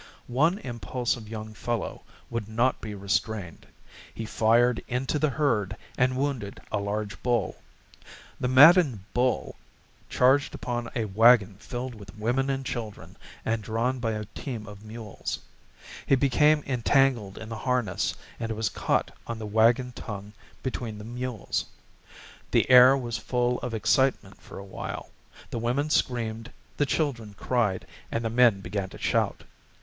One impulsive young fellow would not be restrained; he fired into the herd and wounded a large bull. The maddened bull charged upon a wagon filled with women and children and drawn by a team of mules. He became entangled in the harness and was caught on the wagon tongue between the mules. The air was full of excitement for a while. The women screamed, the children cried, and the men began to shout.